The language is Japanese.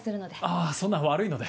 あぁそんな悪いので。